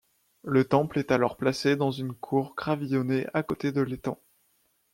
Le temple est alors placé dans une cour gravillonnée à côté de l'étang.